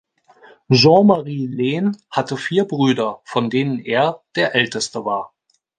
Jean-Marie Lehn hatte vier Brüder, von denen er der älteste war.